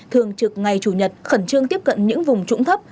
thường trực ngày chủ nhật khẩn trương tiếp cận những vùng trũng thấp